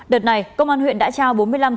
đợt này công an huyện đã trao bốn mươi năm